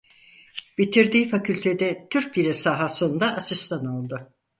Bitirdiği fakültede "Türk Dili" sahasında asistan oldu.